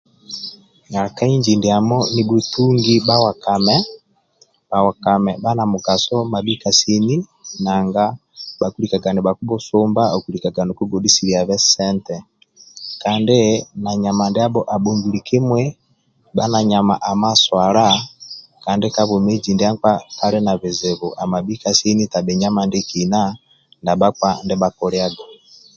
Na ka inji ndiamo nibhutungi bhawakame bhawakame bali na mugaso mabhika sini nanga bhakilikaga nibhakibhusumba okulikaga nokubhugodhisiliabe sente kandi na bhali na nyama ndiabho abhongili kimui bhali na nyama ama swala kandi ka bwomezi ndia nkpa kali na bizibu amabhika sini tabhi nyama ndiekina ndia bhakpa ndia bhakiliaga